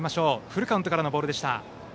フルカウントからのボールでした。